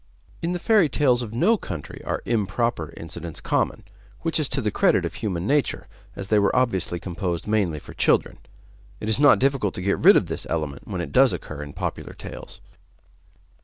In the fairy tales of no country are 'improper' incidents common, which is to the credit of human nature, as they were obviously composed mainly for children. It is not difficult to get rid of this element when it does occur in popular tales.